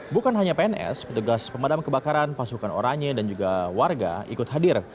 bukan hanya pns petugas pemadam kebakaran pasukan oranye dan juga warga ikut hadir